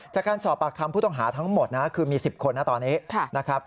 จากการสอบปากคำผู้ต้องหาทั้งหมดนะคือมี๑๐คนนะตอนนี้นะครับ